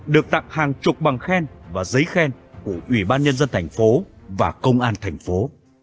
được tặng hàng chục bằng khen và giấy khen của ủy ban nhân dân thành phố và công an thành phố